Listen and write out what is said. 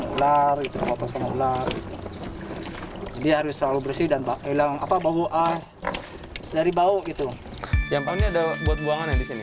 ular ular dia harus selalu bersih dan hilang apa bawa dari bau gitu yang paling ada buat